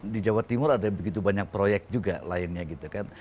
di jawa timur ada begitu banyak proyek juga lainnya gitu kan